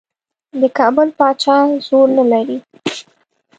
د کابل پاچا زور نه لري.